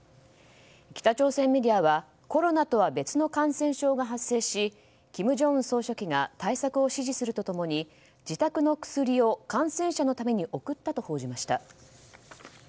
北朝鮮メディアはコロナとは別の感染症が発生し金正恩総書記が対策を指示すると共に自宅の薬を感染者のために送ったと報じました。